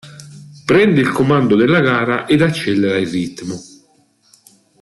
Prende il comando della gara ed accelera il ritmo.